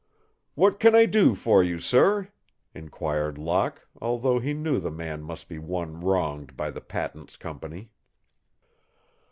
"What can I do for you, sir?" inquired Locke, although he knew the man must be one wronged by the patents company.